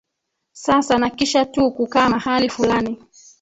sasa na kisha tu kukaa mahali fulani